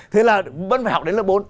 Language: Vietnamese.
thế là vẫn phải học đến lớp bốn